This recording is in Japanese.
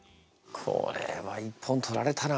これは一本取られたな。